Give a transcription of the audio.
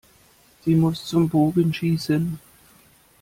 Sie muss zum Bogenschießen.